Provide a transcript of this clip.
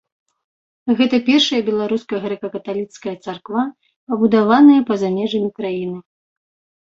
Гэта першая беларуская грэка-каталіцкая царква, пабудаваная па-за межамі краіны.